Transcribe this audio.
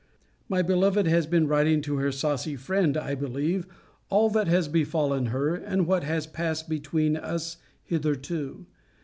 My beloved has been writing to her saucy friend, I believe, all that has befallen her, and what has passed between us hitherto.